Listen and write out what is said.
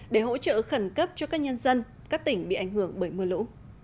để hỗ trợ khẩn cấp cho các nhân dân các tỉnh bị ảnh hưởng bởi mưa lũ